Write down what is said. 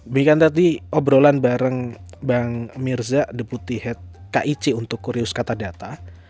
bikin tadi obrolan bareng bang mirza deputi head kic untuk kurius kata data